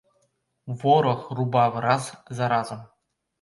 Ворог рубав раз за разом.